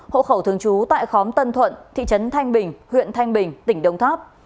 hộ khẩu thường chú tại khóm tân thuận thị trấn thanh bình huyện thanh bình tỉnh đồng tháp